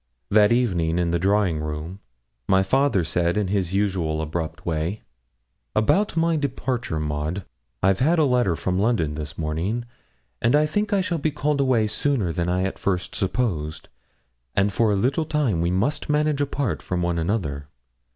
That evening in the drawing room my father said, in his usual abrupt way 'About my departure, Maud: I've had a letter from London this morning, and I think I shall be called away sooner than I at first supposed, and for a little time we must manage apart from one another.